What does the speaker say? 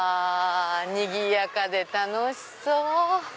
にぎやかで楽しそう。